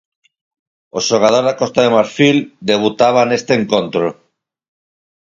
O xogador de Costa de Marfil debutaba neste encontro.